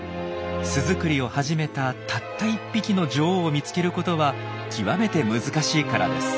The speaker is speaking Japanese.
巣作りを始めたたった１匹の女王を見つけることは極めて難しいからです。